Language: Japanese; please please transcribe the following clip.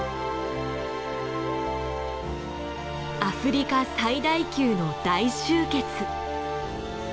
アフリカ最大級の大集結。